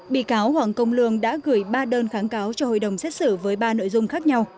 bị cáo hoàng công lương đã gửi ba đơn kháng cáo cho hội đồng xét xử với ba nội dung khác nhau